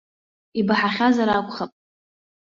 Ибаҳахьазар акәхап.